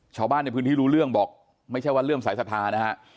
ชาวบ้านในพื้นที่รู้เรื่องบอกไม่ใช่ว่าเรื่องสายศรัทธานะฮะ